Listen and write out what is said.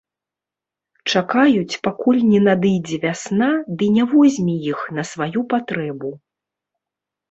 Чакаюць, пакуль не надыдзе вясна ды не возьме іх на сваю патрэбу.